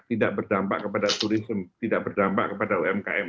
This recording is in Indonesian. tidak berdampak kepada turisme tidak berdampak kepada umkm